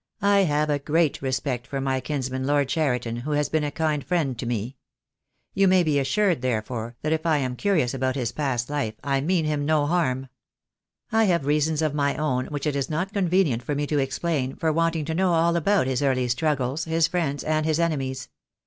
"I have a great respect for my kinsman, Lord Cheriton, who has been a kind friend to me. You may be as 70 THE DAY WILL COME. sured, therefore, that if I am curious about his past life, I mean him no harm. I have reasons of my own, which it is not convenient for me to explain, for wanting to know all about his early struggles, his friends, and his enemies.